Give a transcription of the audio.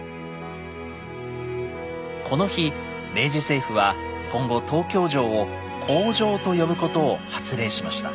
この日明治政府は今後東京城を「皇城」と呼ぶことを発令しました。